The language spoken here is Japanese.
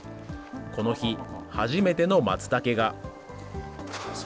この日、初めてのマツタケが。